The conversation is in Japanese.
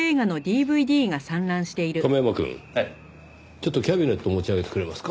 ちょっとキャビネット持ち上げてくれますか？